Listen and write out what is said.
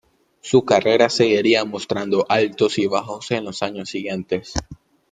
Su carrera seguiría mostrando altos y bajos en los años siguientes.